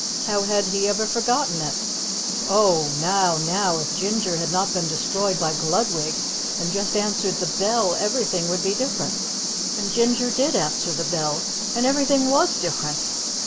How had he ever forgotten it? Oh, now now if Ginger had not been destroyed by Gludwig, and just answered the bell, everything would be different. And Ginger DID answer the bell, and everything WAS different!